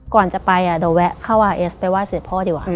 ก่อนจะไปเดี๋ยวแวะเข้าวาเอสไปไห้เสือพ่อดีกว่า